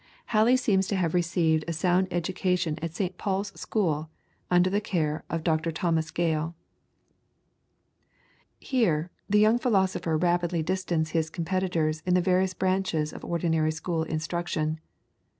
Halley seems to have received a sound education at St. Paul's School, then under the care of Dr. Thomas Gale. Here, the young philosopher rapidly distanced his competitors in the various branches of ordinary school instruction.